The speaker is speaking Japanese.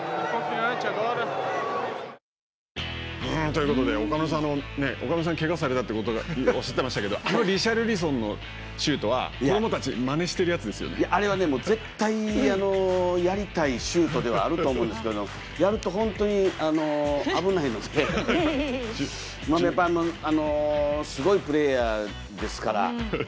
ということで岡村さん岡村さん、けがをされたとおっしゃっていましたけどリシャルリソンのシュートは子どもたちあれは絶対やりたいシュートではあると思うんですけどやると本当に危ないのでやっぱりすごいプレーヤーですから。